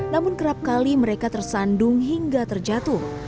namun kerap kali mereka tersandung hingga terjatuh